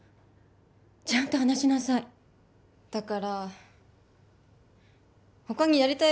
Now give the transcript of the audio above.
ちゃんと話しなさいだから他にやりたい